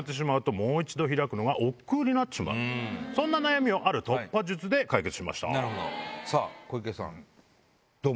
そんな悩みをある突破術で解決しました。